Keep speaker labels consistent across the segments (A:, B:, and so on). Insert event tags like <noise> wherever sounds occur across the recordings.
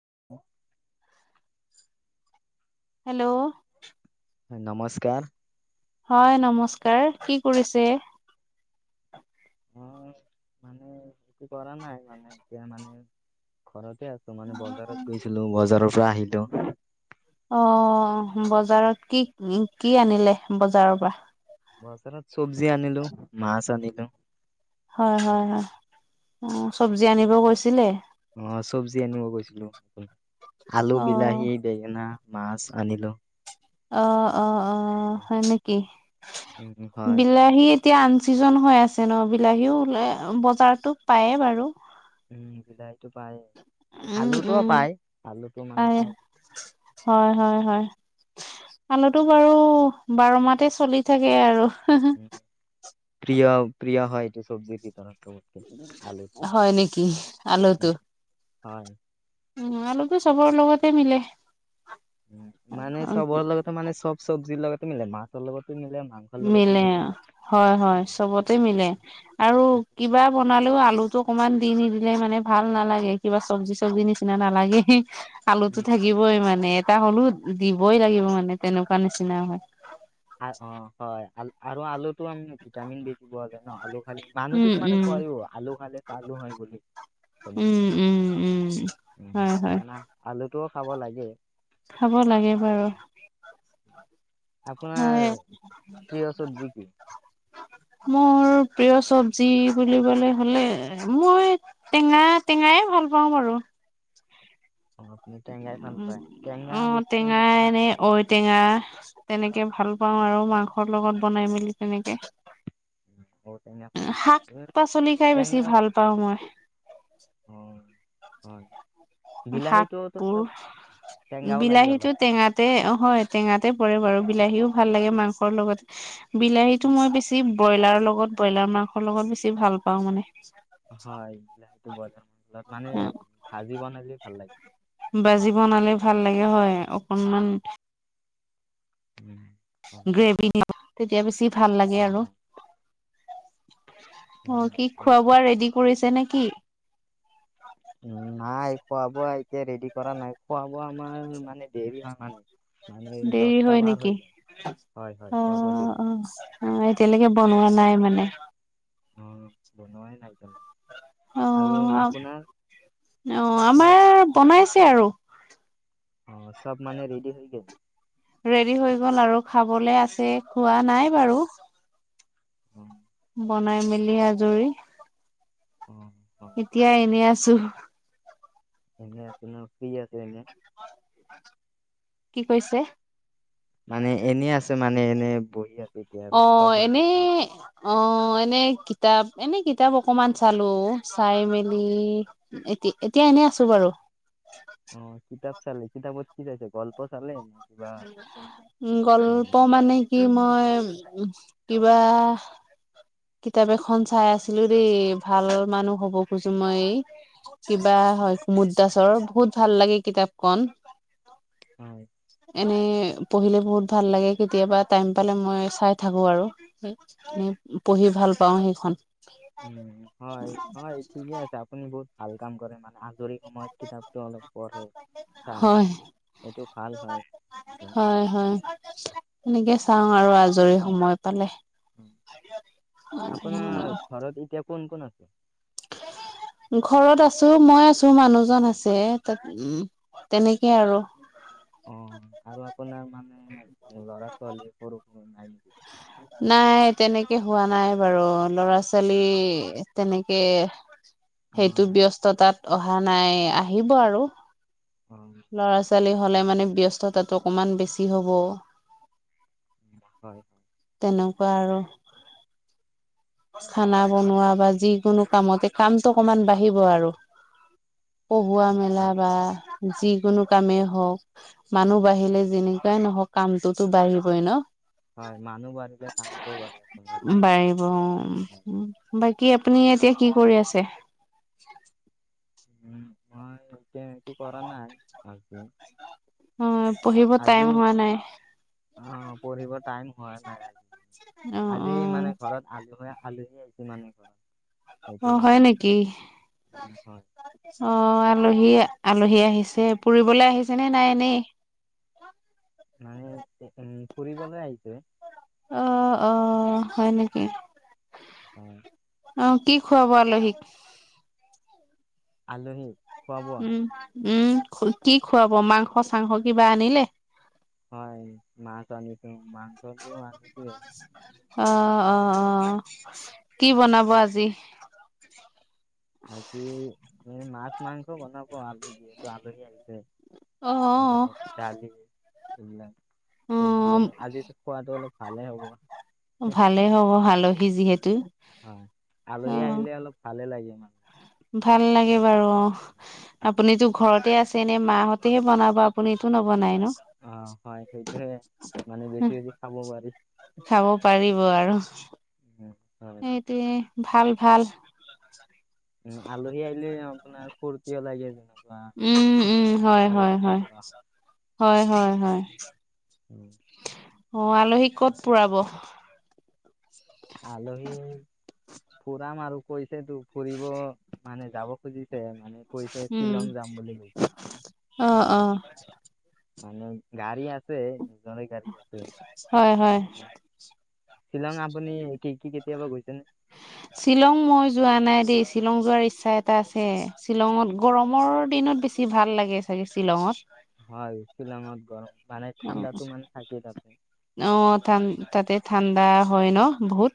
A: <unintelligible>
B: Hello?
A: নমস্কাৰ।
B: হয় নমস্কাৰ, কি কৰিছে?
A: অ', মানে একো কৰা নাই মানে, এতিয়া মানে ঘৰতে আছো। ছো মানে, বজাৰত গৈছিলোঁ‌, বজাৰৰ পৰা আহিলো।
B: অ', বজাৰত কি, কি আনিলে বজাৰৰ পৰা?
A: বজাৰত চবজি আনিলোঁ‌, মাছ আনিলোঁ‌।
B: হয়-হয়-হয় অ', চবজি আনিব গৈছিলে?
A: অ', চবিজ আনিব গৈছিলোঁ‌, আলু,
B: অ
A: বিলাহী, বেঙেনা, মাছ আনিলোঁ‌।
B: অ অ অ হয় নেকি,
A: উম হয়
B: বিলাহীত এতিয়া আন চিজন হৈ আছে ন। বিলাহীও ওলাই, বজাৰতো পায়েই বাৰু।
A: উম বিলাহীটো পায়েই।
B: উম
A: আলুটোও
B: উম
A: পায়। আলুটো মানে পায়।
B: হয় হয় হয়। আলুতো বাৰু, বাৰ মাহতে চলি থাকে আৰু।
A: উম, প্ৰিয় প্ৰিয় হয় এইটো চব্জিৰ ভিতৰত চবৰে।
B: হয় নেকি,
A: উম,
B: আলুটো।
A: হয়।
B: উম, আলুতো চবৰ লগতে মিলে।
A: মানে চবৰ লগতে মানে চব চব্জিৰ লগতে মিলে। মাছৰ লগতো মিলে, মাংস
B: মিলে, হয় হয়। চবতে মিলে। আৰু কিবা বনালেও আলু টো অকমান দি নিদিলে, মানে ভাল নালাগে। কিবা চব্জি-চব্জি নিচিনা নালাগেই। আলুতো থাকিবই মানে, এটা হ'লো দিবই লাগিব মানে তেনেকুৱা নিচিনা হয়।
A: অ হয়। আ-আৰু আলুটো আমি ভিটামিন বেছি পোৱা যায় ন আলু খালে। মানুহ
B: উম
A: কিছুমানে
B: উম
A: কয়ো, আলু খালে চালু হয় বুলি। তেনেকুৱা
B: উম উম উম,
A: উম,
B: হয় হয়।
A: সেইকাৰণে আলুটোও খাব লাগে।
B: খাব লাগে বাৰু।
A: আপোনাৰ প্ৰিয় চব্জি কি
B: <inaudible> মোৰ প্ৰিয় চব্জি বুলিবলে হ'লে, মই টেঙা টেঙাএ ভাল পাওঁ বাৰু।
A: আপুনি টেঙাই ভাল
B: উ
A: পাই। টেঙা
B: অ'
A: বস্তু
B: টেঙা
A: এনেকোৱা
B: এনে ঔটেঙা তেনেকে ভাল পাওঁ আৰু মাংসৰ লগত বনাই মেলি তেনেকে।
A: ঔটেঙা ভাল পায়
B: শাক-পাচলি খাই বেছি
A: টেঙা
B: ভাল পাওঁ মই।
A: অ হয়।
B: শাক
A: বিলাহীটোতো
B: বোৰ,
A: অলপ টেঙাও লাগে অলপ
B: বিলাহীটো টেঙাত তে হয়, টেঙাতে পৰে বাৰু। বিলাহীও ভাল লাগে মাংসৰ লগত। বিলাহীটো মই বেছি ব্ৰইলাৰৰ লগত, ব্ৰইলাৰ মাংসৰ লগত বেছি ভাল পাওঁ মানে।
A: হয় বিলাহীটো ভজা মাংসৰ লগত, মানে ভাজি বনালি ভাল লাগে।
B: ভাজি বনালে ভাল লাগে হয়। অকনমান
A: উম। হয়,
B: গ্ৰেভি <unintelligible> তেতিয়া বেছি ভাল লাগে
A: হয়,
B: আৰু।
A: হয়। উম,
B: অ', কি
A: হয়।
B: খোৱা-বোৱা ৰেডি কৰিছে নে কি?
A: নাই, খোৱা-বোৱা এতিয়া ৰেদি কৰা নাই। খোৱা-বোৱা আমাৰ মানে দেৰি হয় মানে। মানে
B: দেৰি
A: দহটা
B: হয়
A: পাৰ
B: নেকি?
A: হৈ যায় হয়, হয়
B: অ
A: খোৱা বোৱা দেৰি
B: অ।
A: হয়।
B: অ', এতিয়ালৈকে বনোৱা নাই মানে?
A: অ', বনোৱাই নাই এতিয়ালৈকে।
B: অ
A: আৰু আপোনাৰ
B: অ।
A: খোৱা
B: আমাৰ বনাইছে আৰু।
A: অ, সব মানে ৰেডি হৈ গেল?
B: ৰেডি হৈ গ'ল আৰু খাবলে আছে খোৱা নাই বাৰু।
A: উম।
B: বনাই মেলি আজৰি।
A: অ হয়।
B: এতিয়া এনেই আছোঁ।
A: এনে আছে ন ফ্ৰী আছে এনে
B: কি কৈছে?
A: মানে এনে আছে এনে বহি <unintelligible> চব
B: অ'
A: হৈ
B: এনে
A: গ'ল কাম।
B: অ' এনে কিতাপ এনে কিতাপ অকমান চালো চাই মেলি এতি এতিয়া এনেই আছো বাৰু
A: অ' কিতাপ চালে কিতাপত কি চাইছে গল্প চালে <unintelligible>
B: উম, গল্প মানে কি মই কিবা কিতাপ এখন চাই আছিলো দেই ভাল মানুহ হব খুজো মই কিবা হয় কুমুদ দাসৰ বহুত ভাল লাগে কিতাপখন।
A: <unintelligible>
B: এনে পঢ়িলে বহুত ভাল লাগে কেতিয়াবা টাইম পালে মই চাই থাকো আৰু পঢ়ি ভাল পাওঁ সেই খন।
A: উম, হয়, হয়। ঠিকে আছে আপুনি বহুত ভাল কাম কৰে মানে যৰি সময়ত কিতাপটো অলপ পঢ়ে চাই
B: হয়
A: এইটো ভাল হয় এইটো
B: হয়, হয়। এনেকে চাওঁ আৰু আজৰি সময় পালে।
A: আপোনাৰ ঘৰত এতিয়া কোন কোন আছে?
B: ঘৰত আছো মই আছো মানুহজন আছে তাত উম, তেনেকে আৰু
A: অ, আৰু আপোনাৰ মানে ল'ৰা ছোৱালী সৰু নাই।
B: নাই, তেনেকে হোৱা নাই বাৰু ল'ৰা ছোৱালী তেনেকে সেইটো
A: অ',
B: ব্যস্থতাত অহা নাই আহিব আৰু
A: <unintelligible>
B: ল'ৰা ছোৱালী হ'লে মানে ব্যস্ততাটো অকমান বেছি হ'ব।
A: হয়। হয়,
B: তেনেকুৱা আৰু খানা বনোৱা বা যিকোনো কামতে কামটো অকনমান বাঢ়িব আৰু
A: <inaudible>
B: কবোৱা
A: হয়
B: মেলা
A: কামটো
B: বা
A: বাঢ়িব,
B: যিকোনো কামেই হওক মানুহ বাঢ়িলে যেনেকুৱাই নহওক কামতটো বাঢ়িব ন?
A: হয়, মানুহ বাঢ়িলে কামটোও বাঢ়ে। আপোনাৰ।
B: বাঢ়িব উম, বাকী আপুনি এতিয়া কি কৰি আছে?
A: উম, মই এতিয়া একো কৰা নাই আজি
B: অ' পঢ়িব টাইম
A: আজি
B: হোৱা নাই।
A: অ' পঢ়িব টাইম হোৱা নাই
B: অ
A: <unintelligible>
B: অ
A: আজি মানে ঘৰত আলুহ আলহী আহিছে মানে ঘৰত।
B: অ,
A: সেইটো
B: হয়
A: কাৰণে। আজি।
B: নেকি?
A: হয়।
B: অ' আলহী আলহী আহিছে ফুৰিবলৈ আহিছে নে নাই এনেই?
A: মানে ফুৰিবলে আহিছে।
B: অ' অ' হয় নেকি?
A: <unintelligible>
B: অ, কি খুৱাব আলহীক?
A: আলহী খোৱা বোৱা
B: উম, উম, কি খুৱাব মাংস চাংস কিবা আনিলে?
A: হয়, মাছ আনিছো মাংসটো আনিছোৱেই।
B: অ'-অ'-অ'-অ' কি বনাব আজি?
A: আজি এ মাছ, মাংস বনাব আলহী যিহেতু আলহী আহিছে।
B: অ',
A: সেইকাৰণে ডালি এইবিলাক, চবজি
B: অ',
A: অলপ আজিতো খোৱাটো অলপ ভালে হ'ব।
B: ভালেই হ'ব আলহী যিহেতু।
A: হয়, আলহী
B: অ',
A: আহিলে অলপ ভালে লাগে মানে।
B: ভাল লাগে বাৰু অ', আপুনিতো ঘৰতে আছে এনে, মাহঁতেহে বনাব আপুনিটো নবনাই ন?
A: অ' হয়, সেইটোহে মানে বেছি বেছি খাব পাৰি।
B: খাব পাৰিব আৰু।
A: উম হয়।
B: সেইটোয়ে ভাল ভাল।
A: উম, আলহী আহিলে আপোনাৰ ফুৰ্তিও লাগে <inaudible>
B: উম, উম হয়
A: কথা
B: হয়
A: বতৰাও কোৱা
B: হয়, হয় হয়। অ', আলহীক ক'ত ফুৰাব?
A: আলহীক ফুৰাম আৰু, কৈছেতো ফুৰিব মানে যাব খুজিছে, মানে কৈছে
B: উম।
A: শ্বিলং যাম বুলি কৈছে,
B: অ অ
A: আলহী। মানে গাড়ী আছে, নিজৰে গাড়ী আছে।
B: হয় হয়
A: শ্বিলং আপুনি কি কি কেতিয়াবা গৈছেনে?
B: শ্বিলং মই যোৱা নাই দেই, শ্বিলং যোৱাৰ ইচ্ছা এটা আছে, শ্বিলঙত গৰমৰ দিনত বেছি বেছি ভাল লাগে চাগে শ্বিলঙত।
A: হয়, শ্বিলঙত গৰম মানে ঠাণ্ডাতো মানে থাকেই তাতে।
B: অ', ঠা-তাতে ঠাণ্ডা হয় ন বহুত?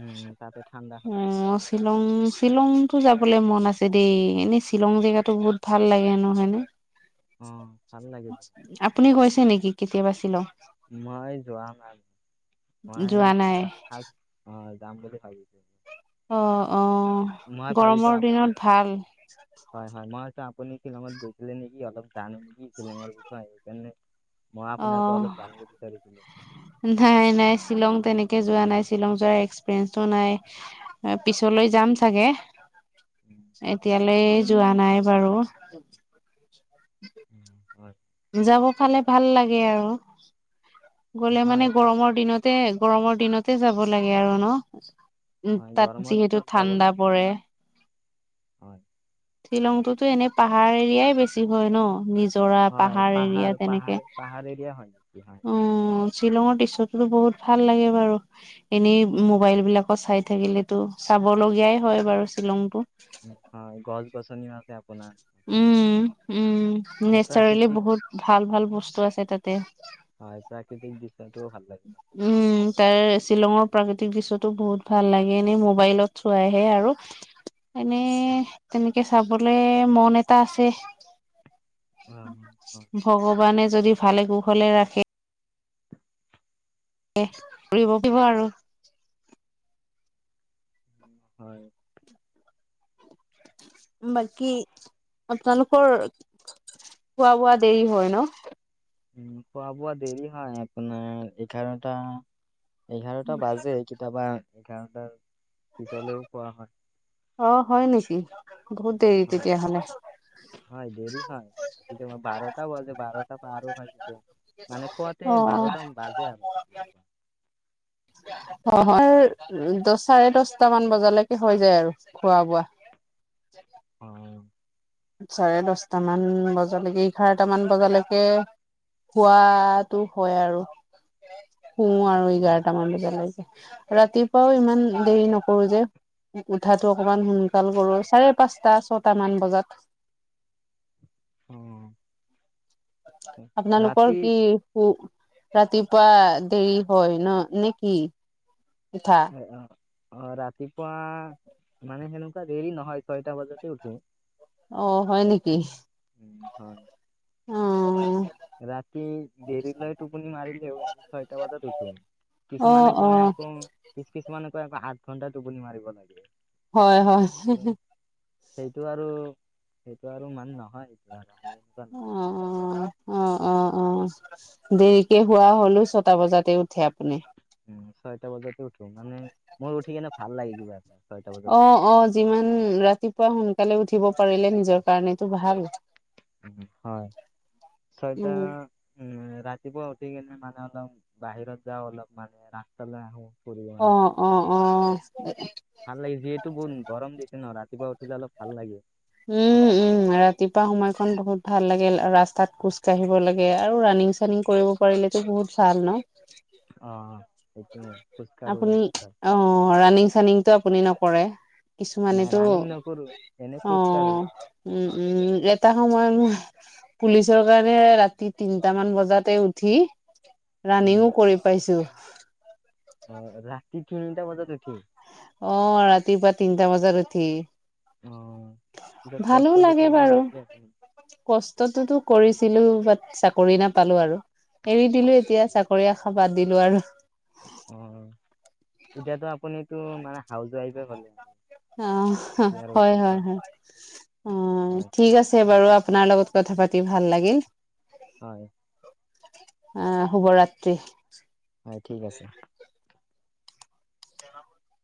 A: উম তাতে ঠাণ্ডা হয়।
B: উম। শ্বিলং-শ্বিলংতো যাবলৈ মন আছে দেই, এনেই শ্বিলং জেগাতো বহুত ভাল লাগে হেনো হয়নে?
A: উম, ভাল লাগে।
B: আপুনি গৈছে নেকি কেতিয়াবা ছিলং?
A: মই যোৱা নাই, মই
B: যোৱা নাই
A: এইবাৰ ফাষ্ট অহ যাম বুলি ভাবিছোঁ‌।
B: অ', অ',
A: ভাবিছোঁ
B: গৰমৰ
A: আপুনি
B: দিনত ভাল।
A: হয় হয়, মই ভাবিছোঁ‌ আপুনি শ্বিলঙত গৈছিলে নেকি অলপ জানে নেকি শিলিঙৰ বিষয়ে, সেইকাৰণে মই
B: অ
A: আপোনাৰ পৰা অলপ জানিব বিচাৰিছিলোঁ‌।
B: নাই নাই ছিলং তেনেকে যোৱা নাই, শ্বিলং যোৱাৰ এক্সপিৰিয়েঞ্চো নাই। পিছলৈ যাম চাগে,
A: হয়
B: এতিয়ালৈ যোৱা নাই বাৰু।
A: উম, হয়।
B: যাব পালে ভাল লাগে আৰু, গ'লে
A: হয়
B: মানে
A: ভাল
B: গৰমৰ
A: লাগে
B: দিনত তে, গৰমৰ দিনতে যাব লাগে আৰু ন? উম,
A: হয়
B: তাত
A: গৰমৰ
B: যিহেতু
A: দিনত যাব
B: ঠাণ্ডা
A: লাগে
B: পৰে।
A: হয়।
B: শ্বিলংটোতো এনে পাহাৰ এৰিয়াই বেছি হয় ন? নিজৰা
A: হয়,
B: এৰিয়া
A: পাহাৰ,
B: তেনেকে
A: পাহাৰ, পাহাৰ এৰিয়া হয়, শ্বিলং।
B: উম, শ্বিলঙৰ দৃশ্যতোটো বহুত ভাল লাগে বাৰু। এনেই মোবাইল বিলাকত চাই থাকিলেতো, চাব লগীয়াই হয় বাৰু শ্বিলংটো।
A: উম, হয়, গছ-গছনি মা তে আপোনাৰ তাতে।
B: উম, উম,
A: মানে
B: নেচাৰেলি
A: প্ৰাকৃতিক
B: বহুত ভাল ভাল বস্তু আছে তাতে।
A: হয় প্ৰাকৃতিক দৃশ্যটোও ভাল লাগে। তাত।
B: উম তাৰ শ্বিলঙৰ প্ৰাকৃতিক দৃশ্যটো বহুত ভাল লাগে এনেই মোবাইলত চোৱাইহে আৰু।
A: <inaudible>
B: এনে
A: অ,
B: তেনেকে চাবলে মন এটা আছে।
A: হয়
B: ভগৱানে যদি ভালে কোষলে ৰাখে <unintelligible> আৰু
A: উম হয়।
B: বাকী আপোনালোকৰ খোৱা বোৱা দেৰি হয় ন?
A: উম খোৱা বোৱা দেৰি হয় আপোনাৰ এঘাৰটা এঘাৰটা বাজে। কেতিয়াবা এঘাৰটাৰ পিছলৈও খোৱা হয়।
B: অহ হয় নেকি? বহুত দেৰি
A: হয়
B: তেতিয়াহ'লে।
A: হয় দেৰি হয় কেতিয়াবা বাৰটা বাজে বাৰটা পাৰো হয় কেতিয়াবা। মানে খোৱাতে
B: অ
A: বাৰটা বাজে আৰু সেনেকুৱা।
B: অ' <unintelligible> দচ চাৰে দচটা মান বজালৈকে হৈ যায় আৰু খোৱা বোৱা।
A: অ'।
B: চাৰে দচটামান বজালৈকে এঘাৰটা মান বজালৈকে শুৱাটো হয় আৰু। শু আৰু
A: অ
B: এঘাৰটামান বজালৈকে। ৰাতিপুৱাও ইমান দেৰি নকৰো যে। উঠাটো অকমান সোনকাল কৰোঁ, চাৰে পাঁচটা ছটামান বজাত।
A: উম।
B: আপোনালোকৰ কি? উ, ৰাতিপুৱা দেৰি হয় ন' নেকি? উঠা?
A: অ অ', অ' ৰাতিপুৱা মানে সেনেকুৱা দেৰি নহয় ছয়টা বজাতে উঠো।
B: অ', হয় নেকি?
A: উম, হয়।
B: অ'।
A: ৰাতি দেৰিলৈ টোপনি মাৰিল <unintelligible> ছয়টা বজাত উঠো,
B: অ
A: কিছুমানে
B: অ
A: কয় আকৌ কিছ কিছুমানে কৈ আকৌ আঠ ঘণ্টা টোপনি মাৰিব লাগে।
B: হয়, হয়।
A: সেইটো আৰু সেইটো আৰু ইমান নহয় এইটো আৰু আমি এনেকুৱা
B: অ
A: নহয়।
B: অ', অ', অ', অ দেৰিকে শুৱা হ'লো ছটা বজাতে উঠে আপুনি?
A: উম, ছয়টা বজাতে উঠো মানে, মোৰ উঠি কিনে ভাল লাগে কিবা এটা। ছয়টা বজাত উঠি।
B: অ', অ', যিমান ৰাতিপুৱা সোনকালে উঠিব পাৰিলে নিজৰ কাৰণেটো ভাল।
A: উম হয়, ছয়টা
B: উম
A: উম, ৰাতিপুৱা উঠি কিনে মানে অলপ বাহিৰত যাওঁ অলপ মানে ৰাস্তালৈ আহোঁ।
B: অ', অ', অ'।
A: ভাল লাগে যিহেতু বহুত গৰম দিছে ন' ৰাতিপুৱা উঠিলে অলপ ভাল লাগে।
B: উম, উম। উম ৰাতিপুৱা সময়কন বহুত ভাল লাগে, ৰাস্তাত খোজ কঢ়িব লাগে আৰু ৰানিং চানিং কৰিব পাৰিলেতো বহুত ভাল ন'?
A: অ'। সেইটোৱে খোজকাঢ়ো
B: আপুনি
A: ৰাস্তাত
B: অ', ৰাণিং চানিংটো আপুনি নকৰে?
A: নাই
B: কিছুমানেতো
A: ৰানিং নকৰো এনে
B: অ',
A: খোজকাঢ়ো।
B: উম উম এটা সময়ত পুলিচৰ কাৰণে ৰাতি তিনটামান বজাতে উঠি
A: উম
B: ৰানিংও কৰি পাইছো।
A: অ', ৰাতি তিনিটা বজাত উঠি?
B: অ', ৰাতিপুৱা তিনিটা বজাত উঠি।
A: অ পিছত
B: ভালো
A: কষ্টটো
B: লাগে
A: কম
B: বাৰু।
A: কৰিছিলে আপুনি।
B: কষ্টটোতো কৰিছিলো, বাট চাকৰি নাপালো আৰু। এৰি দিলো এতিয়া, চাকৰি আশা বাদ দিলো আৰু।
A: অ', এতিয়াতো আপুনিটো মানে হাউচ ৱাইফে হ'লে।
B: অ',
A: এতিয়া আৰু
B: হয়,
A: কেনেকুৱা
B: হয়,
A: হ'ব।
B: হয়, অ',
A: হয়,
B: ঠিক আছে বাৰু আপোনাৰ লগত কথা পাতি ভাল লাগিল।
A: হয়।
B: অ', শুভৰাত্ৰি।
A: হয়, ঠিক আছে।
B: <unintelligible>